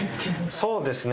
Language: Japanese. そうですね。